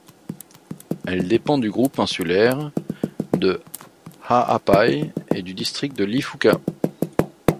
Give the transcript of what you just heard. Elle dépend du groupe insulaire de Ha'apai et du district de Lifuka.